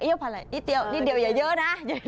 เอี่ยวผ่านไหล่นิดเดียวอย่าเยอะนะ